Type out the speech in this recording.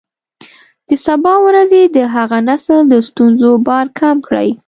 د سبا ورځې د هغه نسل د ستونزو بار کم کړئ.